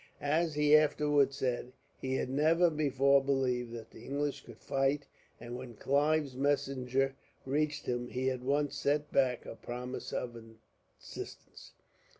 As he afterwards said, he had never before believed that the English could fight, and when Clive's messenger reached him, he at once sent back a promise of assistance.